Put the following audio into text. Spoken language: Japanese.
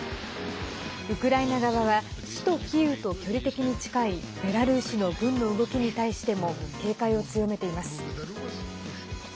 ウクライナ側は首都キーウと距離的に近いベラルーシの軍の動きに対しても警戒を強めています。